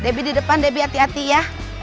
debby di depan debbie hati hati ya